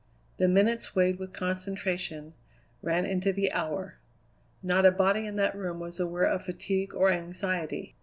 The minutes, weighted with concentration, ran into the hour. Not a body in that room was aware of fatigue or anxiety.